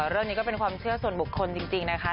เรื่องนี้ก็เป็นความเชื่อส่วนบุคคลจริงนะคะ